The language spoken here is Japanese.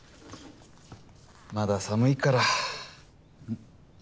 まだ寒いから。